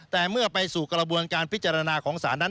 แต่เมื่อไปสู่กระบวนการพิจารณาของศาลนั้น